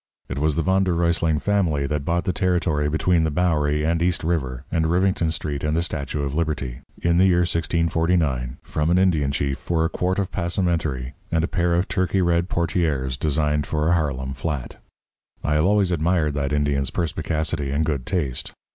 It was the Von der Ruysling family that bought the territory between the Bowery and East River and Rivington Street and the Statue of Liberty, in the year 1649, from an Indian chief for a quart of passementerie and a pair of Turkey red portières designed for a Harlem flat. I have always admired that Indian's perspicacity and good taste.